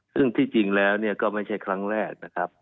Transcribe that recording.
ซึ่งที่จริงแล้วก็ไม่ใช่ครั้งแรกนะครับ